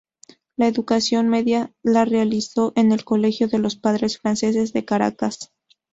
La educación media la realizó en el colegio de los padres franceses de Caracas.